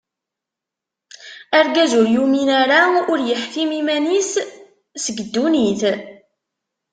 Argaz ur yumin ara, ur yeḥtim iman-is seg dunnit.